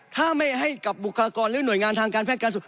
ถ้าไม่ให้กับบุคลากรหรือหน่วยงานทางการแพทย์การสุข